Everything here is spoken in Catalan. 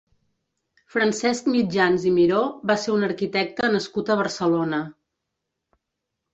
Francesc Mitjans i Miró va ser un arquitecte nascut a Barcelona.